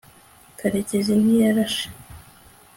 karekezi ntiyarashe